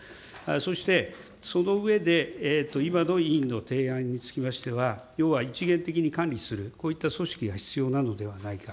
そして、その上で、今の委員の提案につきましては、要は一元的に管理する、こういった組織が必要なのではないか。